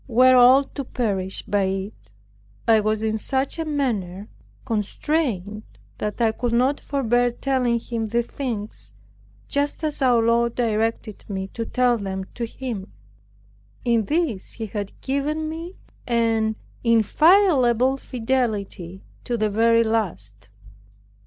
Were all to perish by it, I was in such a manner constrained, that I could not forbear telling him the things, just as our Lord directed me to tell them to him. In this he had given me an inviolable fidelity to the very last.